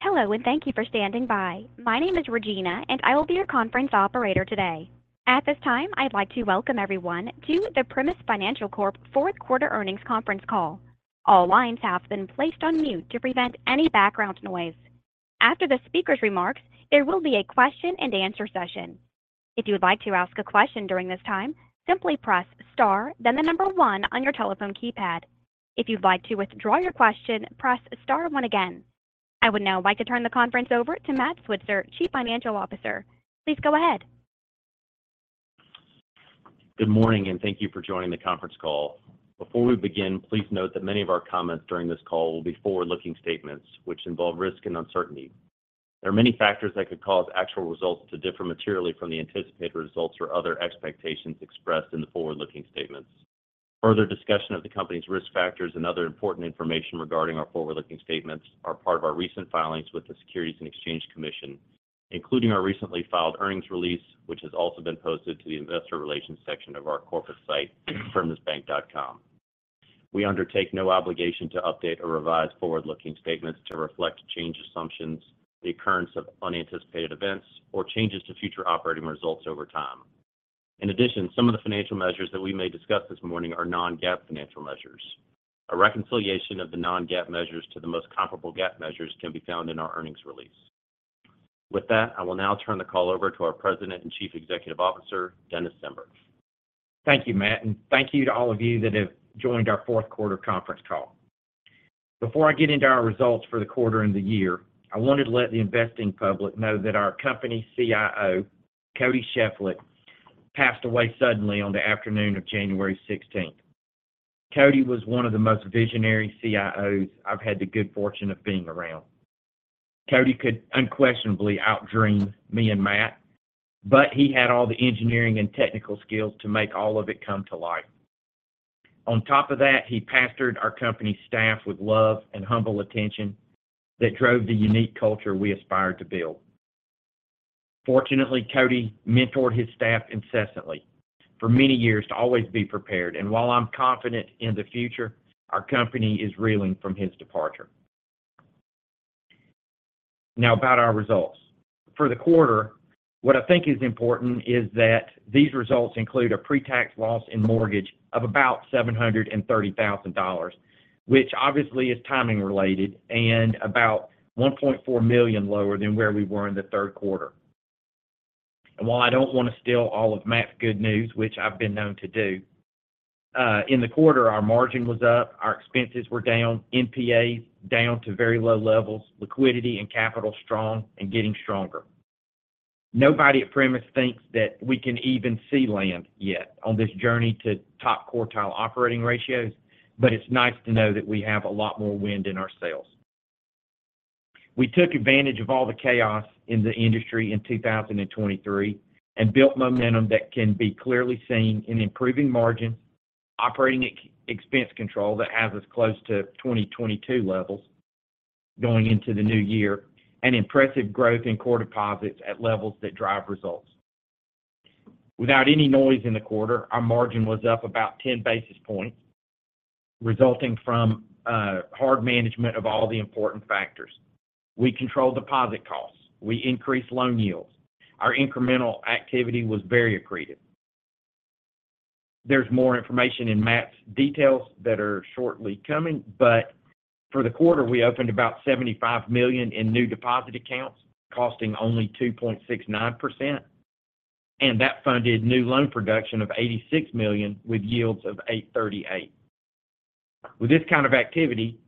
Hello, and thank you for standing by. My name is Regina, and I will be your conference operator today. At this time, I'd like to welcome everyone to the Primis Financial Corp Q4 earnings conference call. All lines have been placed on mute to prevent any background noise. After the speaker's remarks, there will be a question and answer session. If you would like to ask a question during this time, simply press Star, then the number one on your telephone keypad. If you'd like to withdraw your question, press Star one again. I would now like to turn the conference over to Matt Switzer, Chief Financial Officer. Please go ahead. Good morning, and thank you for joining the conference call. Before we begin, please note that many of our comments during this call will be forward-looking statements, which involve risk and uncertainty. There are many factors that could cause actual results to differ materially from the anticipated results or other expectations expressed in the forward-looking statements. Further discussion of the company's risk factors and other important information regarding our forward-looking statements are part of our recent filings with the Securities and Exchange Commission, including our recently filed earnings release, which has also been posted to the investor relations section of our corporate site, primisbank.com. We undertake no obligation to update or revise forward-looking statements to reflect changed assumptions, the occurrence of unanticipated events, or changes to future operating results over time. In addition, some of the financial measures that we may discuss this morning are non-GAAP financial measures. A reconciliation of the non-GAAP measures to the most comparable GAAP measures can be found in our earnings release. With that, I will now turn the call over to our President and Chief Executive Officer, Dennis Zember. Thank you, Matt, and thank you to all of you that have joined our Q4 conference call. Before I get into our results for the quarter and the year, I wanted to let the investing public know that our company CIO, Cody Sheflett, passed away suddenly on the afternoon of January 16th. Cody was one of the most visionary CIOs I've had the good fortune of being around. Cody could unquestionably out-dream me and Matt, but he had all the engineering and technical skills to make all of it come to life. On top of that, he pastored our company staff with love and humble attention that drove the unique culture we aspired to build. Fortunately, Cody mentored his staff incessantly for many years to always be prepared, and while I'm confident in the future, our company is reeling from his departure. Now, about our results. For the quarter, what I think is important is that these results include a pre-tax loss in mortgage of about $730,000, which obviously is timing related and about $1.4 million lower than where we were in the Q3. And while I don't want to steal all of Matt's good news, which I've been known to do, in the quarter, our margin was up, our expenses were down, NPAs down to very low levels, liquidity and capital, strong and getting stronger. Nobody at Primis thinks that we can even see land yet on this journey to top quartile operating ratios, but it's nice to know that we have a lot more wind in our sails. We took advantage of all the chaos in the industry in 2023 and built momentum that can be clearly seen in improving margins, operating expense control that has us close to 2022 levels going into the new year, and impressive growth in core deposits at levels that drive results. Without any noise in the quarter, our margin was up about 10 basis points, resulting from hard management of all the important factors. We controlled deposit costs, we increased loan yields. Our incremental activity was very accretive. There's more information in Matt's details that are shortly coming, but for the quarter, we opened about $75 million in new deposit accounts, costing only 2.69%, and that funded new loan production of $86 million, with yields of 8.38. With this kind of activity,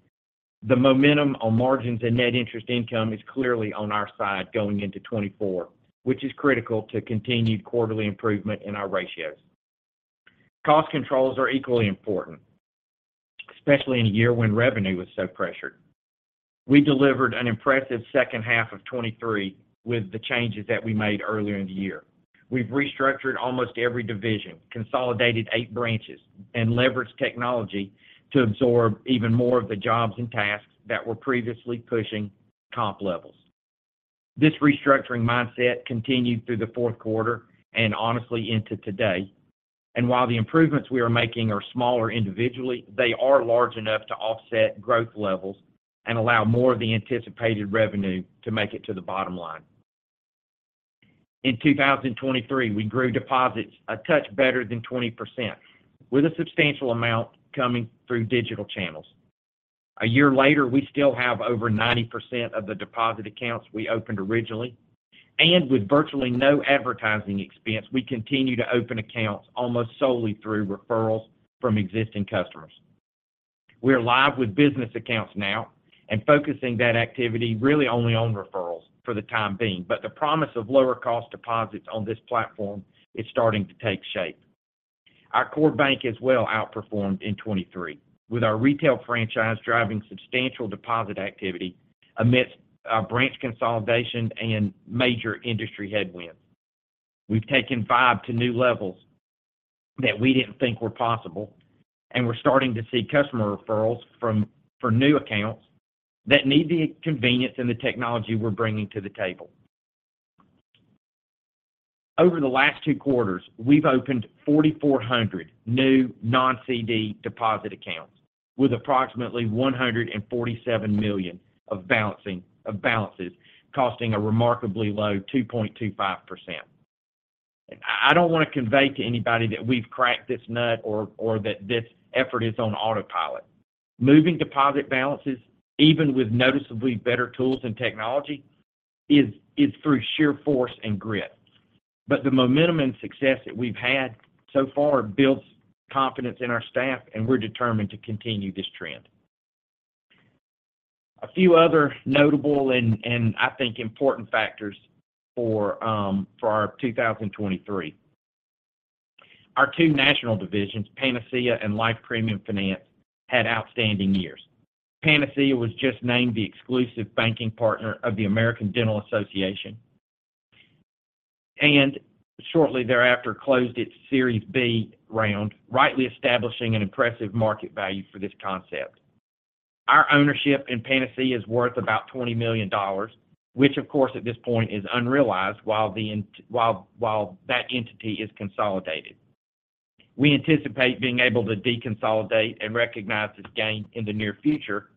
the momentum on margins and net interest income is clearly on our side going into 2024, which is critical to continued quarterly improvement in our ratios. Cost controls are equally important, especially in a year when revenue was so pressured. We delivered an impressive second half of 2023 with the changes that we made earlier in the year. We've restructured almost every division, consolidated 8 branches, and leveraged technology to absorb even more of the jobs and tasks that were previously pushing comp levels. This restructuring mindset continued through the Q4 and honestly, into today. And while the improvements we are making are smaller individually, they are large enough to offset growth levels and allow more of the anticipated revenue to make it to the bottom line. In 2023, we grew deposits a touch better than 20%, with a substantial amount coming through digital channels. A year later, we still have over 90% of the deposit accounts we opened originally, and with virtually no advertising expense, we continue to open accounts almost solely through referrals from existing customers. We are live with business accounts now and focusing that activity really only on referrals for the time being, but the promise of lower cost deposits on this platform is starting to take shape. Our core bank as well outperformed in 2023, with our retail franchise driving substantial deposit activity amidst branch consolidation and major industry headwinds. We've taken Vibe to new levels that we didn't think were possible, and we're starting to see customer referrals for new accounts that need the convenience and the technology we're bringing to the table. Over the last two quarters, we've opened 4,400 new non-CD deposit accounts with approximately $147 million of balancing, of balances, costing a remarkably low 2.25%. I don't want to convey to anybody that we've cracked this nut or, or that this effort is on autopilot. Moving deposit balances, even with noticeably better tools and technology is through sheer force and grit. But the momentum and success that we've had so far builds confidence in our staff, and we're determined to continue this trend. A few other notable and, and I think important factors for, for our 2023. Our two national divisions, Panacea and Life Premium Finance, had outstanding years. Panacea was just named the exclusive banking partner of the American Dental Association, and shortly thereafter closed its Series B round, rightly establishing an impressive market value for this concept. Our ownership in Panacea is worth about $20 million, which of course, at this point is unrealized while that entity is consolidated. We anticipate being able to deconsolidate and recognize this gain in the near future,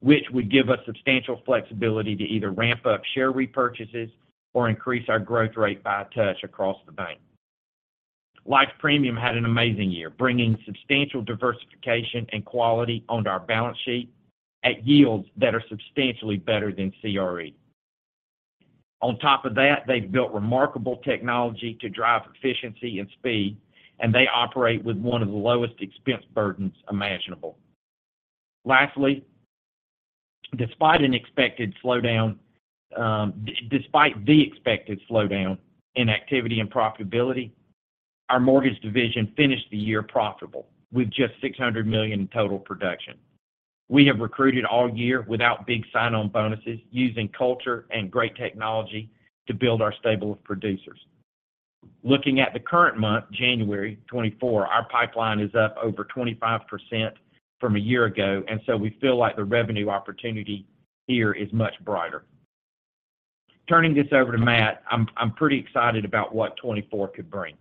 which would give us substantial flexibility to either ramp up share repurchases or increase our growth rate by a touch across the bank. Life Premium had an amazing year, bringing substantial diversification and quality on our balance sheet at yields that are substantially better than CRE. On top of that, they've built remarkable technology to drive efficiency and speed, and they operate with one of the lowest expense burdens imaginable. Lastly, despite an expected slowdown, despite the expected slowdown in activity and profitability, our mortgage division finished the year profitable with just $600 million in total production. We have recruited all year without big sign-on bonuses, using culture and great technology to build our stable of producers. Looking at the current month, January 2024, our pipeline is up over 25% from a year ago, and so we feel like the revenue opportunity here is much brighter. Turning this over to Matt, I'm pretty excited about what 2024 could bring.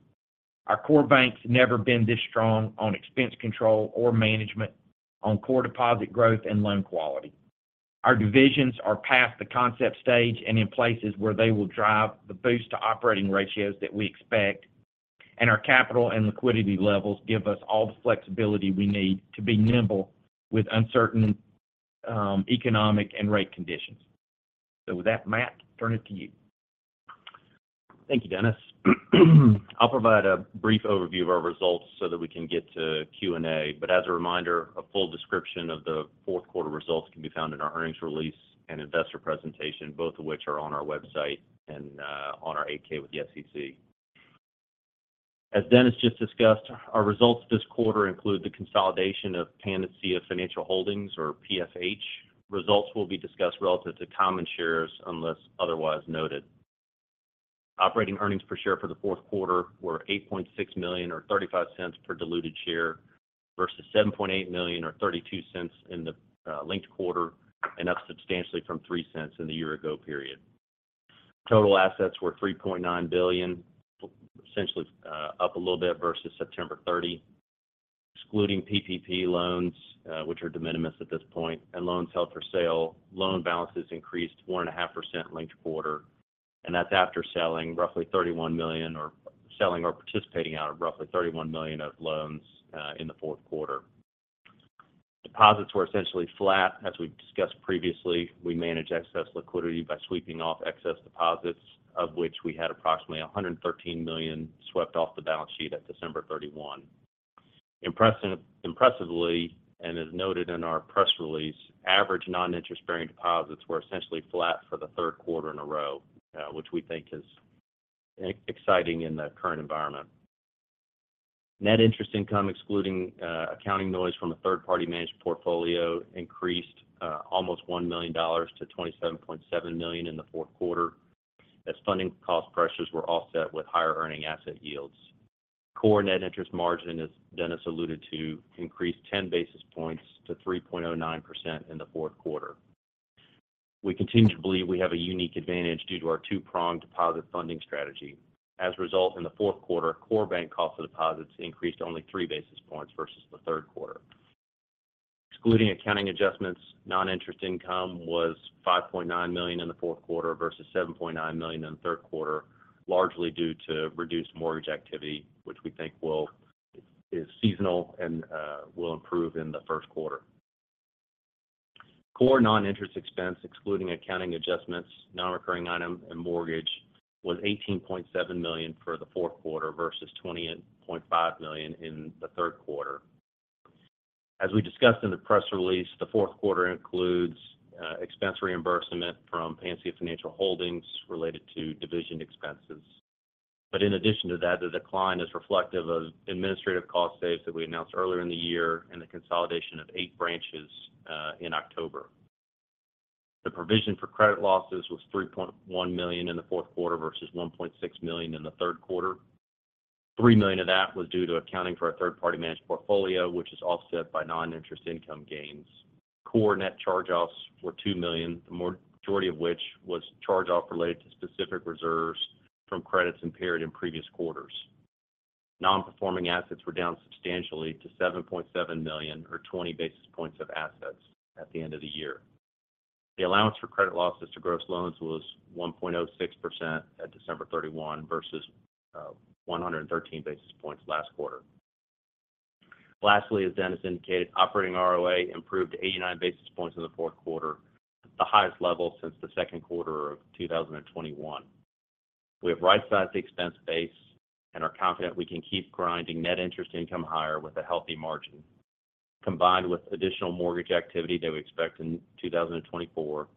Our core bank's never been this strong on expense control or management on core deposit growth and loan quality. Our divisions are past the concept stage and in places where they will drive the boost to operating ratios that we expect, and our capital and liquidity levels give us all the flexibility we need to be nimble with uncertain economic and rate conditions. So with that, Matt, turn it to you. Thank you, Dennis. I'll provide a brief overview of our results so that we can get to Q&A. But as a reminder, a full description of the Q4 results can be found in our earnings release and investor presentation, both of which are on our website and on our 8-K with the SEC. As Dennis just discussed, our results this quarter include the consolidation of Panacea Financial Holdings or PFH. Results will be discussed relative to common shares unless otherwise noted. Operating earnings per share for the fourth quarter were $8.6 million, or $0.35 per diluted share, versus $7.8 million or $0.32 in the linked quarter, and up substantially from $0.03 in the year ago period. Total assets were $3.9 billion, essentially up a little bit versus September 30. Excluding PPP loans, which are de minimis at this point, and loans held for sale, loan balances increased 1.5% linked quarter, and that's after selling roughly $31 million, or selling or participating out of roughly $31 million of loans, in the Q4. Deposits were essentially flat. As we discussed previously, we manage excess liquidity by sweeping off excess deposits, of which we had approximately $113 million swept off the balance sheet at December 31. Impressively, and as noted in our press release, average non-interest-bearing deposits were essentially flat for the Q3 in a row, which we think is exciting in the current environment. Net interest income, excluding accounting noise from a third-party managed portfolio, increased almost $1 million to $27.7 million in the Q4, as funding cost pressures were offset with higher earning asset yields. Core net interest margin, as Dennis alluded to, increased 10 basis points to 3.09% in the Q4. We continue to believe we have a unique advantage due to our two-pronged deposit funding strategy. As a result, in the Q4, core bank cost of deposits increased only 3 basis points versus the Q3. Excluding accounting adjustments, non-interest income was $5.9 million in the Q4 versus $7.9 million in the Q3, largely due to reduced mortgage activity, which we think will is seasonal and will improve in the Q1. Core non-interest expense, excluding accounting adjustments, non-recurring item, and mortgage, was $18.7 million for the Q4 versus $20.5 million in the Q3. As we discussed in the press release, the Q4 includes expense reimbursement from Panacea Financial Holdings related to division expenses. But in addition to that, the decline is reflective of administrative cost saves that we announced earlier in the year and the consolidation of eight branches in October. The provision for credit losses was $3.1 million in the Q4 versus $1.6 million in the Q3, $3 million of that was due to accounting for a third-party managed portfolio, which is offset by non-interest income gains. Core net charge-offs were $2 million, the majority of which was charge-off related to specific reserves from credits impaired in previous quarters. Non-performing assets were down substantially to $7.7 million, or 20 basis points of assets at the end of the year. The allowance for credit losses to gross loans was 1.06% at December 31, versus 113 basis points last quarter. Lastly, as Dennis indicated, operating ROA improved 89 basis points in the Q4, the highest level since the Q2 of 2021. We have right-sized the expense base and are confident we can keep grinding net interest income higher with a healthy margin. Combined with additional mortgage activity that we expect in 2024,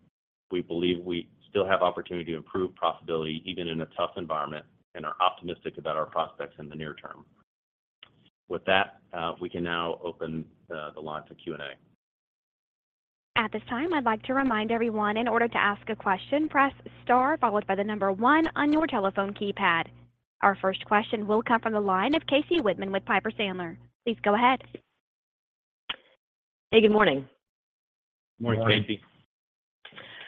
we believe we still have opportunity to improve profitability even in a tough environment, and are optimistic about our prospects in the near term. With that, we can now open the line to Q&A. At this time, I'd like to remind everyone, in order to ask a question, press Star, followed by the number one on your telephone keypad. Our first question will come from the line of Casey Whitman with Piper Sandler. Please go ahead. Hey, good morning. Morning, Casey.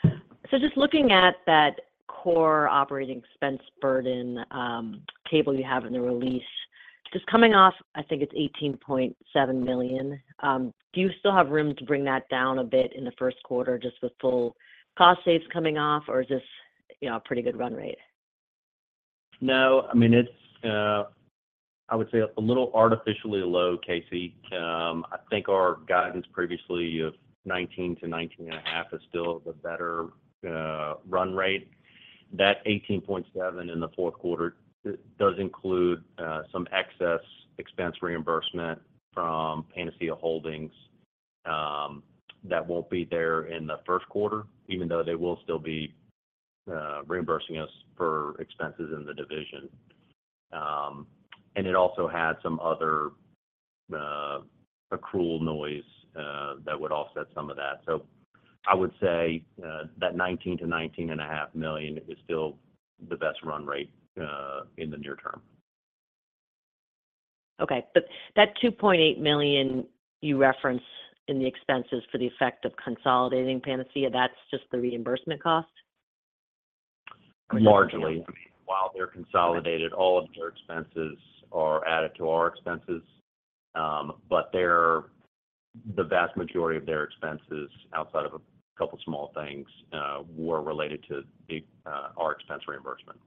Good morning. Just looking at that core operating expense burden table you have in the release, just coming off, I think it's $18.7 million. Do you still have room to bring that down a bit in the Q1, just with full cost saves coming off, or is this, you know, a pretty good run rate? No. I mean, it's a little artificially low, Casey. I think our guidance previously of $19-$19.5 is still the better run rate. That $18.7 in the Q1 does include some excess expense reimbursement from Panacea Holdings that won't be there in the Q1, even though they will still be reimbursing us for expenses in the division. And it also had some other accrual noise that would offset some of that. So I would say that $19 million-$19.5 million is still the best run rate in the near term. Okay. But that $2.8 million you referenced in the expenses for the effect of consolidating Panacea, that's just the reimbursement cost? Largely. While they're consolidated, all of their expenses are added to our expenses. But their, the vast majority of their expenses, outside of a couple small things, were related to the, our expense reimbursement.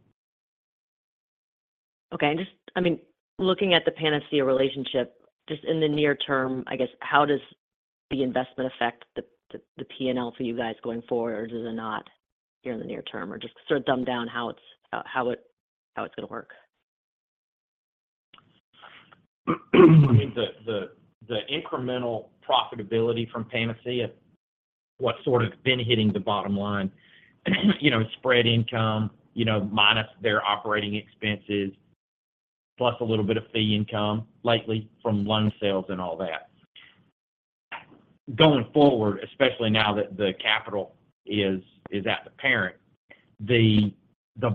Okay. And just, I mean, looking at the Panacea relationship, just in the near term, I guess, how does the investment affect the PNL for you guys going forward, or does it not here in the near term? Or just sort of dumb down how it's going to work. I mean, the incremental profitability from Panacea, what's sort of been hitting the bottom line, you know, spread income, you know, minus their operating expenses, plus a little bit of fee income lately from loan sales and all that. Going forward, especially now that the capital is at the parent, the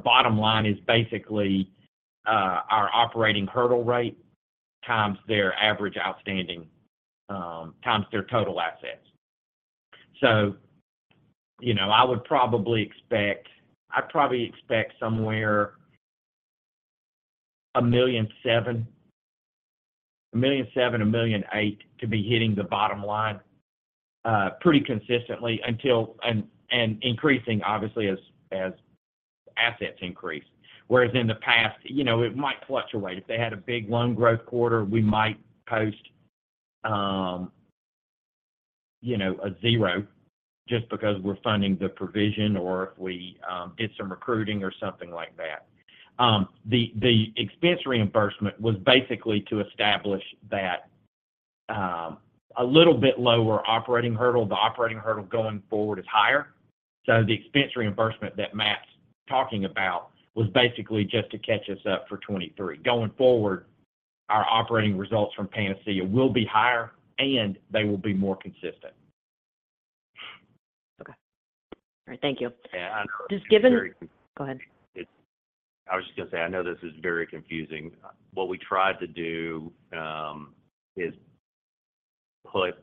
bottom line is basically our operating hurdle rate times their average outstanding times their total assets. So, you know, I would probably expect—I'd probably expect somewhere $1.7 million, $1.7 million, $1.8 million to be hitting the bottom line pretty consistently until- and increasing obviously as assets increase. Whereas in the past, you know, it might fluctuate. If they had a big loan growth quarter, we might post, you know, a zero just because we're funding the provision or if we did some recruiting or something like that. The expense reimbursement was basically to establish that, a little bit lower operating hurdle. The operating hurdle going forward is higher. So the expense reimbursement that Matt's talking about was basically just to catch us up for 2023. Going forward, our operating results from Panacea will be higher, and they will be more consistent. Okay. All right, thank you. And just given- Just given... Go ahead. I was just going to say, I know this is very confusing. What we tried to do is put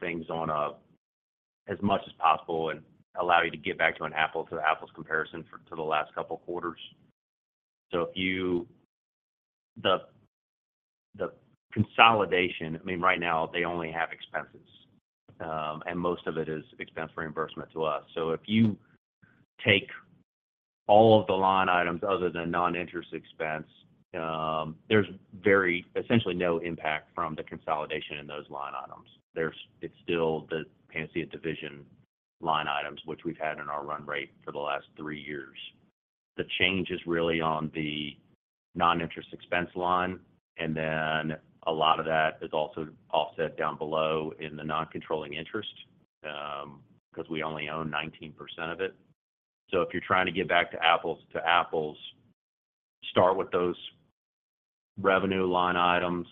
things on a as much as possible and allow you to get back to an apple-to-apples comparison for to the last couple of quarters. So if you the consolidation, I mean, right now they only have expenses and most of it is expense reimbursement to us. So if you take all of the line items other than non-interest expense, there's very essentially no impact from the consolidation in those line items. It's still the Panacea division line items, which we've had in our run rate for the last three years. The change is really on the non-interest expense line, and then a lot of that is also offset down below in the non-controlling interest because we only own 19% of it. So if you're trying to get back to apples-to-apples, start with those revenue line items,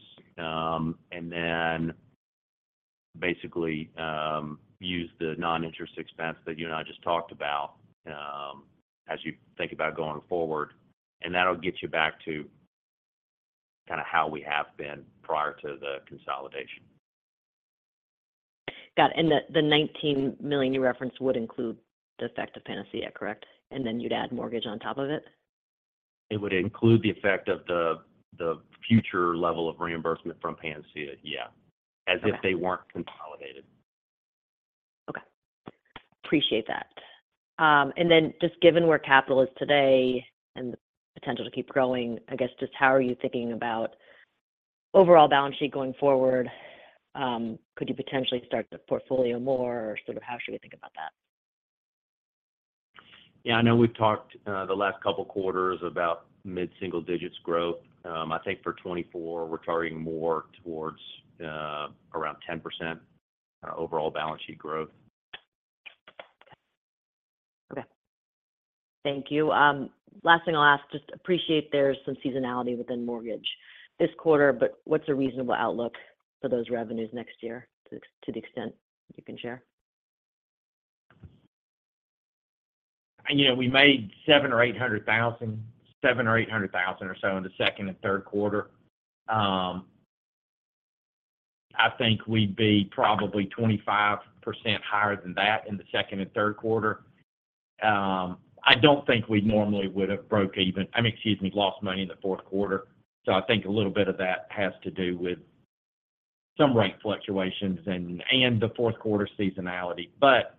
basically use the non-interest expense that you and I just talked about as you think about going forward, and that'll get you back to kind of how we have been prior to the consolidation. Got it. And the $19 million you referenced would include the effect of Panacea, correct? And then you'd add mortgage on top of it? It would include the effect of the future level of reimbursement from Panacea. Yeah. Okay. As if they weren't consolidated. Okay. Appreciate that. And then just given where capital is today and the potential to keep growing, I guess just how are you thinking about overall balance sheet going forward, could you potentially start to portfolio more, or sort of how should we think about that? Yeah, I know we've talked, the last couple quarters about mid-single digits growth. I think for 2024, we're targeting more towards, around 10%, overall balance sheet growth. Okay. Thank you. Last thing I'll ask, just appreciate there's some seasonality within mortgage this quarter, but what's a reasonable outlook for those revenues next year, to, to the extent you can share? And, you know, we made $700,000-$800,000, $700,000-$800,000 or so in the Q2 and Q3. I think we'd be probably 25% higher than that in the second and Q3. I don't think we normally would have broke even- I mean, excuse me, lost money in the Q4. So I think a little bit of that has to do with some rate fluctuations and, and the Q4 seasonality. But,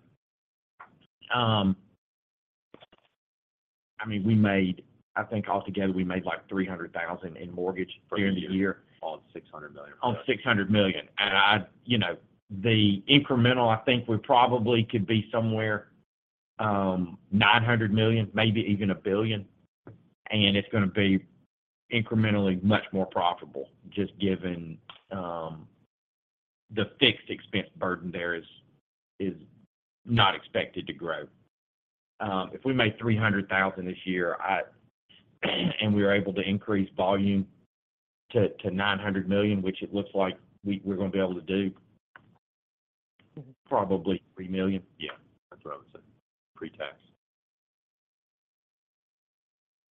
I mean, we made- I think altogether we made, like, $300,000 in mortgage for the year. On $600 million. On $600 million. And I, you know, the incremental, I think we probably could be somewhere $900 million, maybe even $1 billion, and it's going to be incrementally much more profitable just given the fixed expense burden there is not expected to grow. If we made $300,000 this year, I, and we were able to increase volume to $900 million, which it looks like we're going to be able to do, probably $3 million. Yeah, that's what I would say, pre-tax.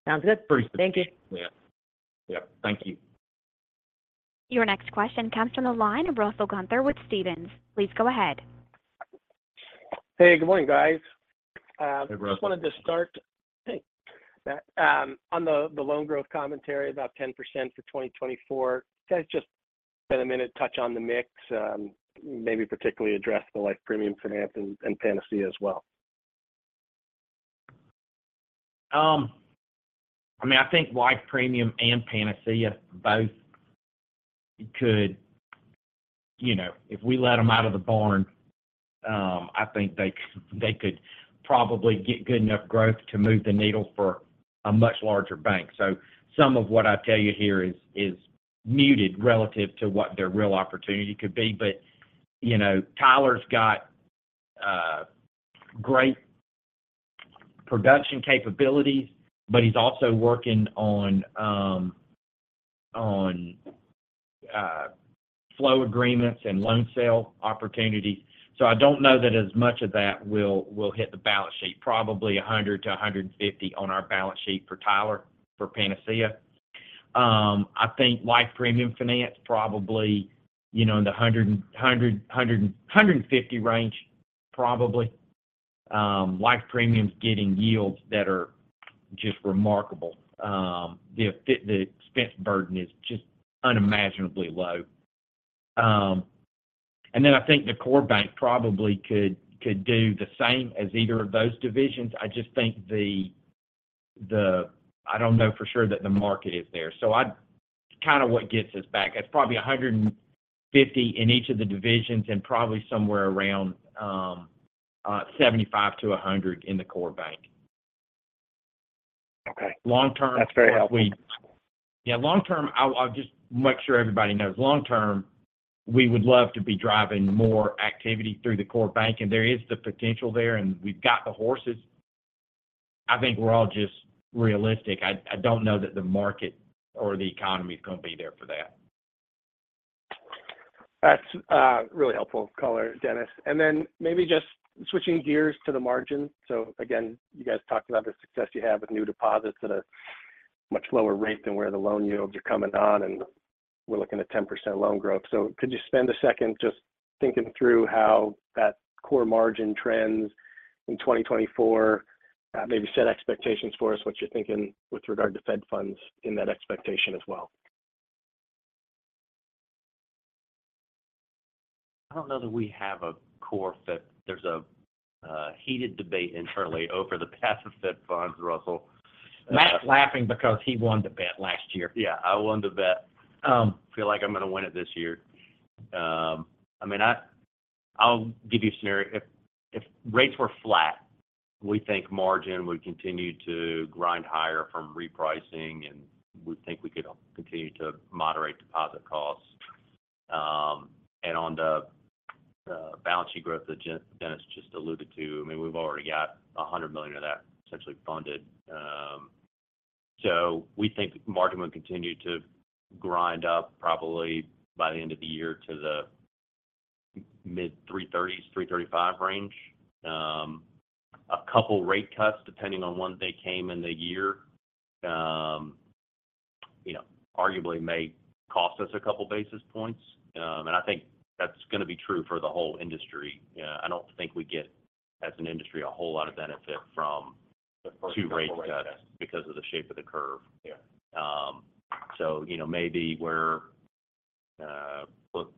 Sounds good. Pretty- Thank you. Yeah. Yeah. Thank you. Your next question comes from the line of Russell Gunther with Stephens. Please go ahead. Hey, good morning, guys. Hey, Russell. Just wanted to start, hey, on the loan growth commentary, about 10% for 2024. Can you guys just spend a minute touch on the mix, maybe particularly address the Life Premium Finance and Panacea as well? I mean, I think Life Premium and Panacea both could. You know, if we let them out of the barn, I think they could probably get good enough growth to move the needle for a much larger bank. So some of what I tell you here is muted relative to what their real opportunity could be. But, you know, Tyler's got great production capabilities, but he's also working on flow agreements and loan sale opportunities. So I don't know that as much of that will hit the balance sheet, probably $100-$150 on our balance sheet for Tyler, for Panacea. I think Life Premium Finance probably, you know, in the 100-150 range, probably. Life Premium's getting yields that are just remarkable. The expense burden is just unimaginably low. And then I think the core bank probably could do the same as either of those divisions. I just think the- I don't know for sure that the market is there. So I'd kind of what gets us back, it's probably 150 in each of the divisions and probably somewhere around 75-100 in the core bank. Okay. Long term- That's very helpful. Yeah, long term, I'll just make sure everybody knows. Long term, we would love to be driving more activity through the core bank, and there is the potential there, and we've got the horses. I think we're all just realistic. I don't know that the market or the economy is going to be there for that. That's really helpful color, Dennis. And then maybe just switching gears to the margin. So again, you guys talked about the success you have with new deposits at a much lower rate than where the loan yields are coming on, and we're looking at 10% loan growth. So could you spend a second just thinking through how that core margin trends in 2024? Maybe set expectations for us, what you're thinking with regard to Fed funds in that expectation as well. I don't know that we have a core Fed. There's a heated debate internally over the path of Fed funds, Russell. Matt's laughing because he won the bet last year. Yeah, I won the bet. Feel like I'm going to win it this year. I mean, I'll give you a scenario. If rates were flat, we think margin would continue to grind higher from repricing, and we think we could continue to moderate deposit costs. And on the balance sheet growth that Dennis just alluded to, I mean, we've already got $100 million of that essentially funded. So we think margin will continue to grind up probably by the end of the year to the mid-3.30s, 3.35 range. A couple rate cuts, depending on when they came in the year, you know, arguably may cost us a couple basis points. And I think that's going to be true for the whole industry. Yeah, I don't think we get, as an industry, a whole lot of benefit from 2 rate cuts because of the shape of the curve. Yeah. So, you know, maybe we're,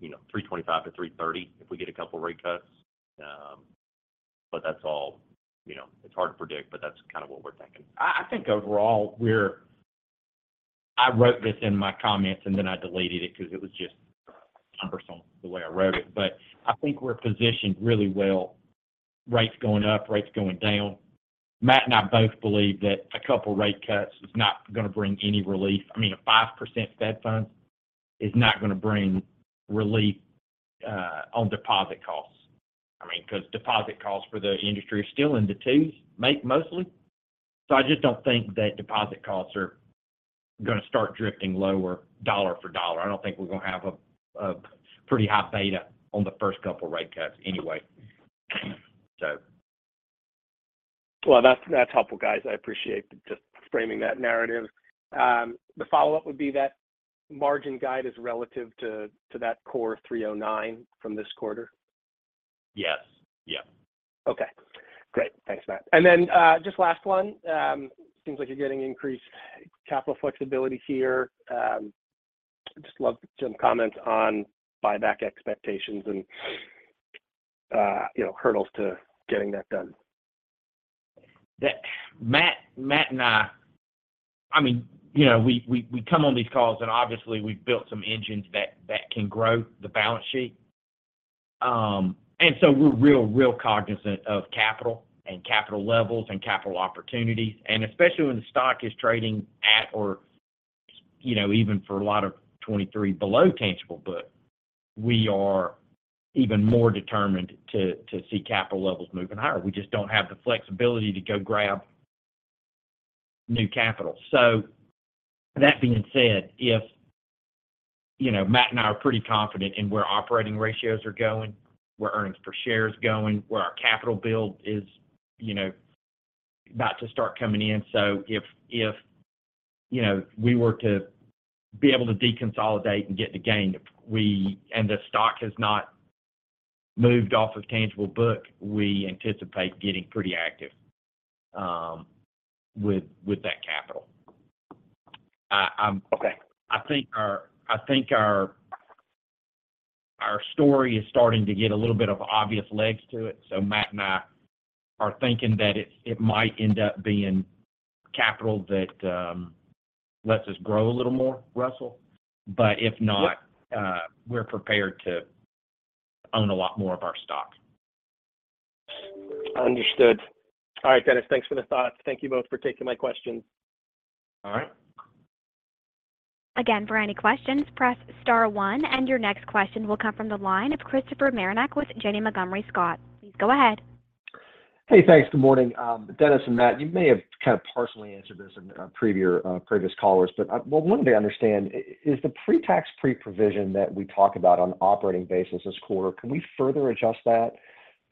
you know, 3.25-3.30 if we get a couple rate cuts. But that's all, you know, it's hard to predict, but that's kind of what we're thinking. I think overall, we're. I wrote this in my comments, and then I deleted it because it was just cumbersome the way I wrote it, but I think we're positioned really well. Rates going up, rates going down. Matt and I both believe that a couple rate cuts is not going to bring any relief. I mean, a 5% Fed funds is not going to bring relief on deposit costs. I mean, because deposit costs for the industry are still in the twos, mostly. So I just don't think that deposit costs are going to start drifting lower dollar for dollar. I don't think we're going to have a pretty high beta on the first couple rate cuts anyway. So- Well, that's, that's helpful, guys. I appreciate just framing that narrative. The follow-up would be that margin guide is relative to, to that core 309 from this quarter? Yes. Yeah. Okay, great. Thanks, Matt. Then, just last one. Seems like you're getting increased capital flexibility here. Just love some comments on buyback expectations and, you know, hurdles to getting that done. That Matt, Matt and I, I mean, you know, we, we, we come on these calls, and obviously, we've built some engines that, that can grow the balance sheet. And so we're real, real cognizant of capital, and capital levels, and capital opportunities, and especially when the stock is trading at, or, you know, even for a lot of 23 below tangible book, we are even more determined to, to see capital levels moving higher. We just don't have the flexibility to go grab new capital. So that being said, if, you know, Matt and I are pretty confident in where operating ratios are going, where earnings per share is going, where our capital build is, you know, about to start coming in. So if, if, you know, we were to be able to deconsolidate and get the gain, we... and the stock has not moved off of tangible book. We anticipate getting pretty active with that capital. Okay. I think our story is starting to get a little bit of obvious legs to it. So Matt and I are thinking that it might end up being capital that lets us grow a little more, Russell. Yep. But if not, we're prepared to own a lot more of our stock. Understood. All right, Dennis, thanks for the thoughts. Thank you both for taking my questions. All right. Again, for any questions, press star one, and your next question will come from the line of Christopher Marinac with Janney Montgomery Scott. Please go ahead. Hey, thanks. Good morning. Dennis and Matt, you may have kind of partially answered this in a previous call, but what I wanted to understand is the pre-tax, pre-provision that we talk about on an operating basis this quarter. Can we further adjust that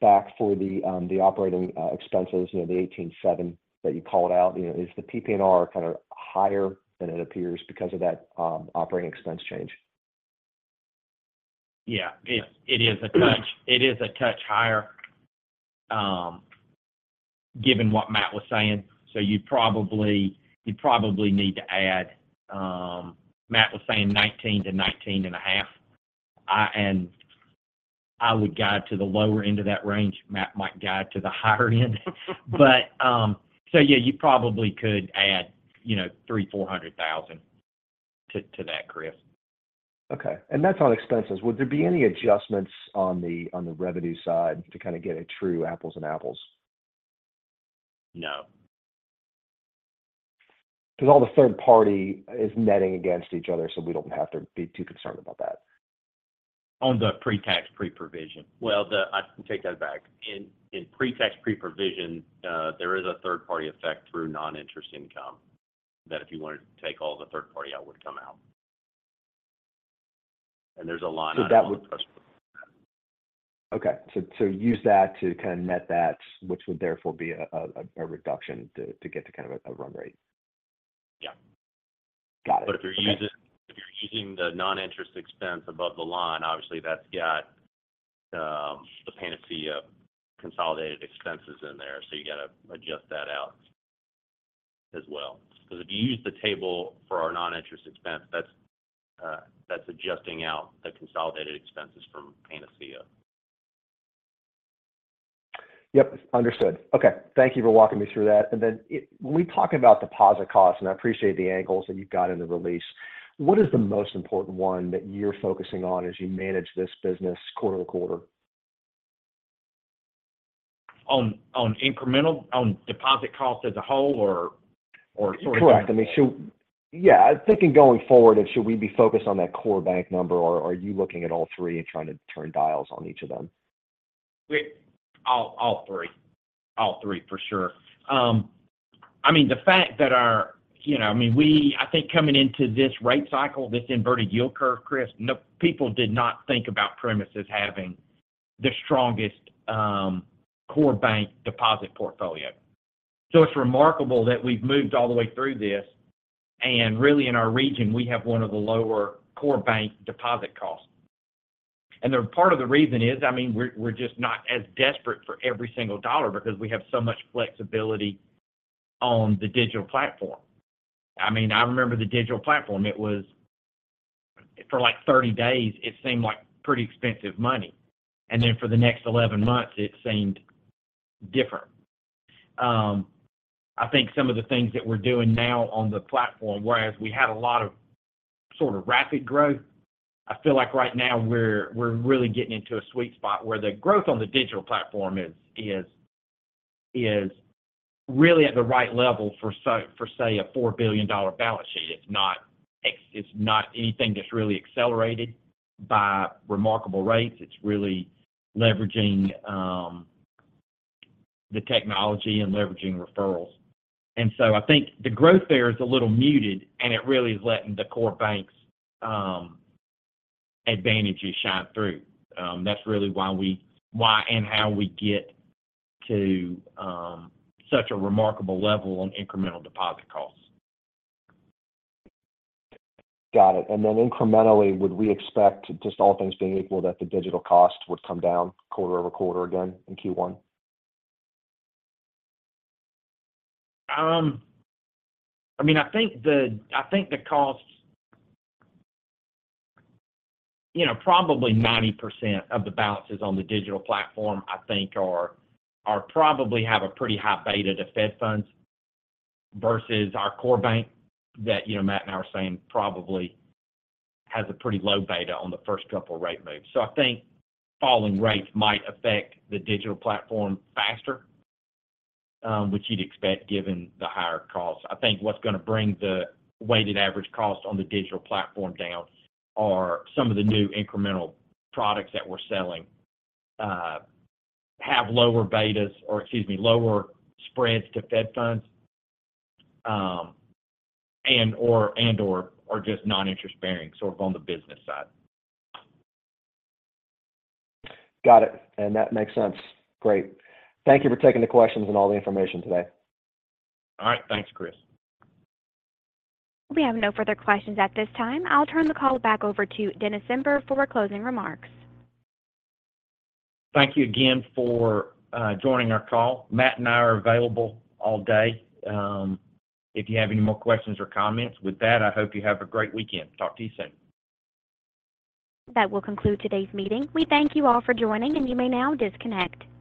back for the operating expenses, you know, the $18.7 that you called out? You know, is the PPNR kind of higher than it appears because of that operating expense change? Yeah. It is a touch higher, given what Matt was saying. So you'd probably need to add, Matt was saying 19-19.5. And I would guide to the lower end of that range. Matt might guide to the higher end. But, so yeah, you probably could add, you know, $300,000-$400,000 to that, Chris. Okay. That's on expenses. Would there be any adjustments on the revenue side to kind of get a true apples and apples? No. Because all the third party is netting against each other, so we don't have to be too concerned about that. On the pre-tax pre-provision. Well, I can take that back. In pre-tax pre-provision, there is a third-party effect through non-interest income, that if you wanted to take all the third-party out, would come out. And there's a line on- So that would- Yes. Okay. So use that to kind of net that, which would therefore be a reduction to get to kind of a run rate. Yeah. Got it. But if you're using the non-interest expense above the line, obviously that's got the Panacea consolidated expenses in there, so you got to adjust that out as well. Because if you use the table for our non-interest expense, that's adjusting out the consolidated expenses from Panacea. Yep, understood. Okay, thank you for walking me through that. And then when we talk about deposit costs, and I appreciate the angles that you've got in the release, what is the most important one that you're focusing on as you manage this business quarter-to-quarter? On incremental deposit costs as a whole or Correct. I mean, so yeah, thinking going forward, should we be focused on that core bank number, or are you looking at all three and trying to turn dials on each of them? We- all three- all three, for sure. I mean, the fact that our, you know, I mean, we, I think coming into this rate cycle, this inverted yield curve, Chris, no, people did not think about Primis as having the strongest, core bank deposit portfolio. So it's remarkable that we've moved all the way through this, and really, in our region, we have one of the lower core bank deposit costs. And part of the reason is, I mean, we're, we're just not as desperate for every single dollar because we have so much flexibility on the digital platform. I mean, I remember the digital platform, it was, for like 30 days, it seemed like pretty expensive money, and then for the next 11 months, it seemed different. I think some of the things that we're doing now on the platform, whereas we had a lot of sort of rapid growth, I feel like right now we're really getting into a sweet spot where the growth on the digital platform is really at the right level for, say, a $4 billion balance sheet. It's not anything that's really accelerated by remarkable rates. It's really leveraging the technology and leveraging referrals. And so I think the growth there is a little muted, and it really is letting the core bank's advantages shine through. That's really why and how we get to such a remarkable level on incremental deposit costs. Got it. And then incrementally, would we expect, just all things being equal, that the digital cost would come down quarter-over-quarter again in Q1? I mean, I think the costs, you know, probably 90% of the balances on the digital platform, I think, are probably have a pretty high beta to Fed Funds versus our core bank that, you know, Matt and I were saying probably has a pretty low beta on the first couple rate moves. So I think falling rates might affect the digital platform faster, which you'd expect given the higher costs. I think what's going to bring the weighted average cost on the digital platform down are some of the new incremental products that we're selling have lower betas, or excuse me, lower spreads to Fed Funds, and/or are just non-interest-bearing, so on the business side. Got it, and that makes sense. Great. Thank you for taking the questions and all the information today. All right. Thanks, Chris. We have no further questions at this time. I'll turn the call back over to Dennis Zember for closing remarks. Thank you again for joining our call. Matt and I are available all day, if you have any more questions or comments. With that, I hope you have a great weekend. Talk to you soon. That will conclude today's meeting. We thank you all for joining, and you may now disconnect.